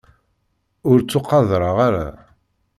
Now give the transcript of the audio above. Ur ttuqadreɣ ara.